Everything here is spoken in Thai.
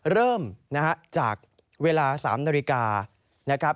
เริ่มจากเวลา๓นาฬิกา